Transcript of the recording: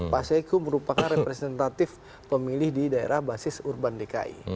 pak saiku merupakan representatif pemilih di daerah basis urban dki